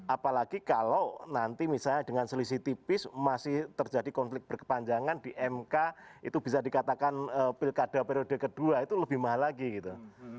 apalagi kalau nanti misalnya dengan selisih tipis masih terjadi konflik berkepanjangan di mk itu bisa dikatakan pilkada periode kedua itu lebih mahal lagi gitu